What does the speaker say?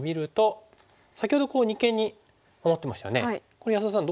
これ安田さん